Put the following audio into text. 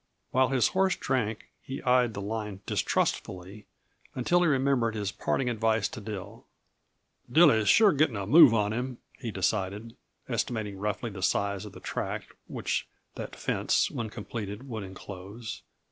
While his horse drank he eyed the line distrustfully until he remembered his parting advice to Dill. "Dilly's sure getting a move on him," he decided, estimating roughly the size of the tract which that fence, when completed, would inclose.